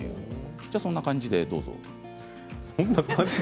そんな感じでどうぞ。